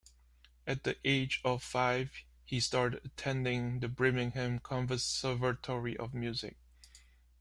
At the age of five he started attending the Birmingham Conservatory of Music.